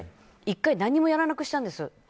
１回何もやらなくしたんです。